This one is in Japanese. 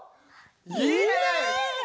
いいね！